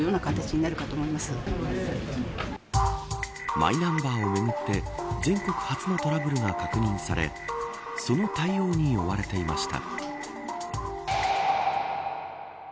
マイナンバーをめぐって全国初のトラブルが確認されその対応に追われていました。